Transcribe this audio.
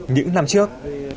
những năm trước